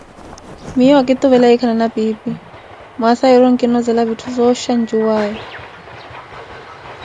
Miiyo okituvela wikhalana piipi, mwaasa yoori onkinozela vitthu zooxhi ancuwaye.